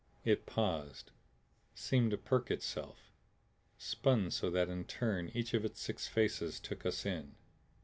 It paused, seemed to perk itself; spun so that in turn each of its six faces took us in.